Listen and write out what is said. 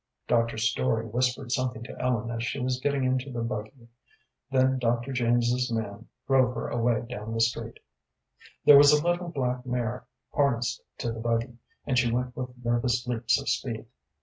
Dr. Story whispered something to Ellen as she was getting into the buggy. Then Dr. James's man drove her away down the street. There was a little black mare harnessed to the buggy, and she went with nervous leaps of speed.